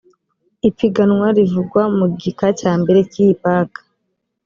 ipiganwa rivugwa mu gika cya mbere cy iyi paki